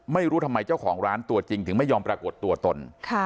ไม่รู้ทำไมเจ้าของร้านตัวจริงถึงไม่ยอมปรากฏตัวตน